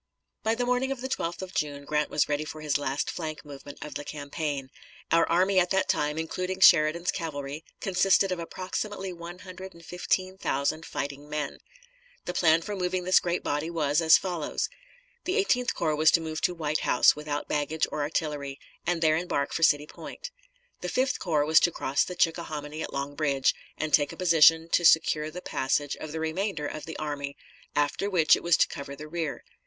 By the morning of the 12th of June Grant was ready for his last flank movement of the campaign. Our army at that time, including Sheridan's cavalry, consisted of approximately one hundred and fifteen thousand fighting men. The plan for moving this great body was as follows: The Eighteenth Corps was to move to White House without baggage or artillery, and there embark for City Point. The Fifth Corps was to cross the Chickahominy at Long Bridge, and take a position to secure the passage of the remainder of the army, after which it was to cover the rear.